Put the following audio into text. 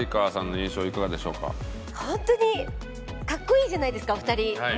まずは本当に格好いいじゃないですかお二人。